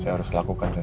saya harus lakukan ren